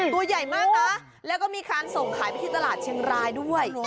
ตัวใหญ่มากนะแล้วก็มีการส่งขายไปที่ตลาดเชียงรายด้วย